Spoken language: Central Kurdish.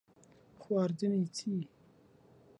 خواردنی چی؟